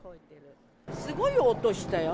すごい音したよ。